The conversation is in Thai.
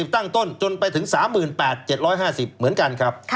ตั้งต้นจนไปถึง๓๘๗๕๐เหมือนกันครับ